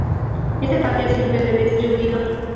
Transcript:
Este patio sirve de distribuidor.